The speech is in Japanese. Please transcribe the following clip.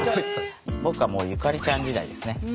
僕がもうゆかりちゃん時代ですね。